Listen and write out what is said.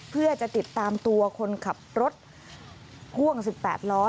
เพื่อจะติดตามตัวคนขับรถพ่วง๑๘ล้อ